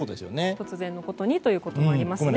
突然のことにということになりますね。